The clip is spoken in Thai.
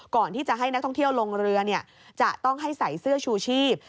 ก่อนที่จะให้นักท่องเที่ยวลงเรือจะต้องให้ใส่เสื้อชูชีพ